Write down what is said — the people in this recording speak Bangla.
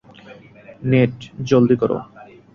নেট, জলদি করো!